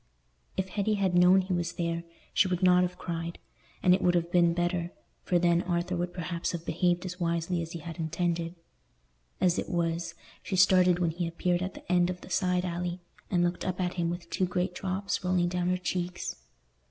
If Hetty had known he was there, she would not have cried; and it would have been better, for then Arthur would perhaps have behaved as wisely as he had intended. As it was, she started when he appeared at the end of the side alley, and looked up at him with two great drops rolling down her cheeks.